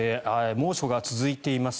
猛暑が続いています。